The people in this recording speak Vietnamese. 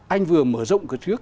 anh vừa mở rộng cửa trước